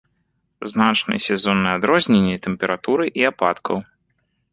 Значныя сезонныя адрозненні тэмпературы і ападкаў.